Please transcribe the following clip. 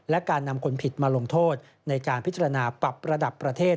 และการนำคนผิดมาลงโทษในการพิจารณาปรับระดับประเทศ